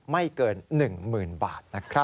ไม่เกิน๑๐๐๐บาท